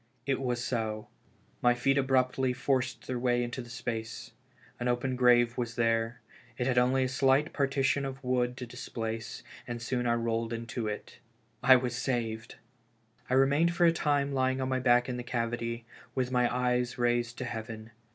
It was so. My feet abruptly forced their way into space. An open grave was there ; I had only a slight partition of earth to displace, and soon I rolled into it. I was saved ! I remained for a time lying on my back in the cavity, with my eyes raised to heaven.